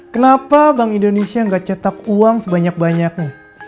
kenapa bank indonesia gak cetak uang sebanyak banyakmu